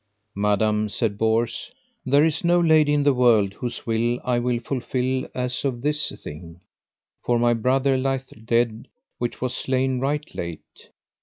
Madam, said Bors, there is no lady in the world whose will I will fulfil as of this thing, for my brother lieth dead which was slain right late.